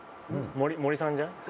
森さんじゃ。